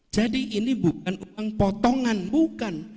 jadi ini bukan uang potongan bukan